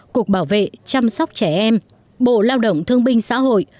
cục bảo vệ chăm sóc trẻ em bộ lao động thương binh xã hội